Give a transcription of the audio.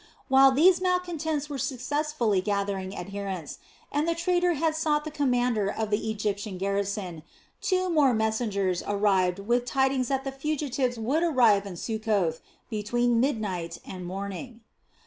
While these malcontents were successfully gathering adherents, and the traitor had sought the commander of the Egyptian garrison, two more messengers arrived with tidings that the fugitives would arrive in Succoth between midnight and morning.